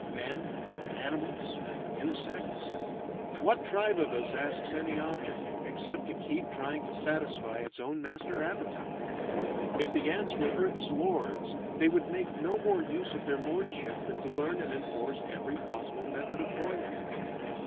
Men, animals, insects what tribe of us asks any object, except to keep trying to satisfy its own master appetite? If the ants were earth's lords they would make no more use of their lordship than to learn and enforce every possible method of foiling.